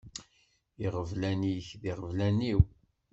Iɣeblan-ik d iɣeblan-iw.